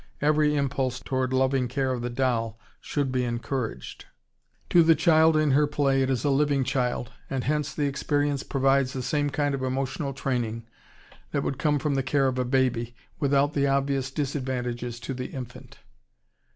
Every impulse toward loving care of the doll should be encouraged. To the child in her play it is a living child, and hence the experience provides the same kind of emotional training that would come from the care of a baby, without the obvious disadvantages to the infant.